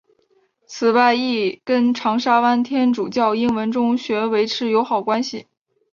此外亦跟长沙湾天主教英文中学维持友好关系。